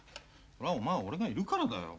そらお前俺がいるからだよ。